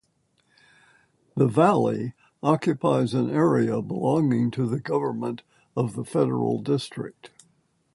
The Valley occupies an area belonging to the government of the Federal District.